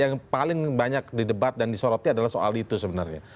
yang paling banyak didebat dan disoroti adalah soal itu sebenarnya